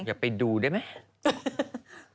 อย่าไปดูได้ไหม